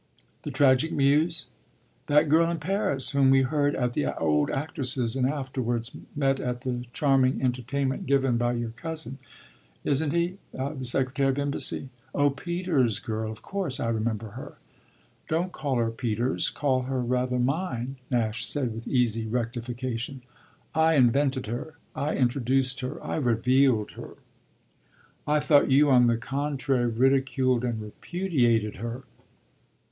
"The Tragic Muse?" "That girl in Paris, whom we heard at the old actress's and afterwards met at the charming entertainment given by your cousin isn't he? the secretary of embassy." "Oh Peter's girl! Of course I remember her." "Don't call her Peter's; call her rather mine," Nash said with easy rectification. "I invented her. I introduced her. I revealed her." "I thought you on the contrary ridiculed and repudiated her."